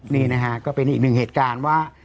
นี่นะฮะก็เป็นอีกหนึ่งเหตุการณ์ว่า